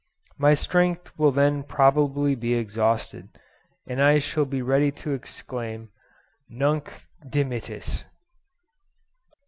My strength will then probably be exhausted, and I shall be ready to exclaim "Nunc dimittis."